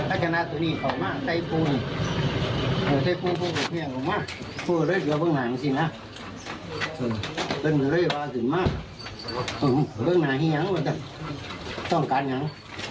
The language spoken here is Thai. โอ้โหเรื่องหนายงั้งต้องการยั้ง